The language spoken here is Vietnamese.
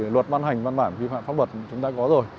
luật ban hành văn bản vi phạm pháp luật chúng ta có rồi